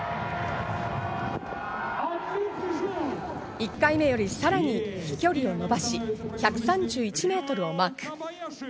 １回目よりさらに飛距離を伸ばし、１３１ｍをマーク。